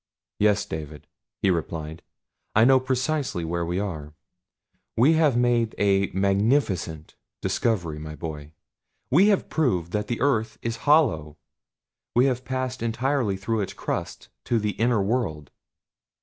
"Yes, David," he replied, "I know precisely where we are. We have made a magnificent discovery, my boy! We have proved that the earth is hollow. We have passed entirely through its crust to the inner world."